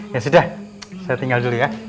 ya sudah saya tinggal dulu ya